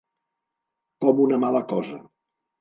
Com una mala cosa.